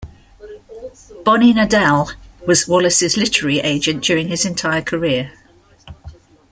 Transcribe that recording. Bonnie Nadell was Wallace's literary agent during his entire career.